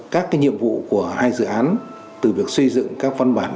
các nhiệm vụ của hai dự án từ việc xây dựng các văn bản